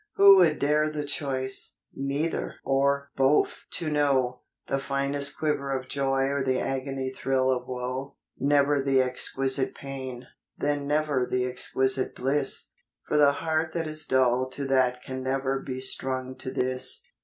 Who would dare the choice, neither or both to know, The finest quiver of joy or the agony thrill of woe ? Never the exquisite pain, then never the exquisite bliss, For the heart that is dull to that can never be strung to this,. COMPENSA TIONS.